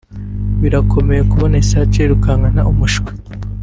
birakomeye kubona isake yirukankana umushwi